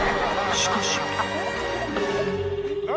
しかし次。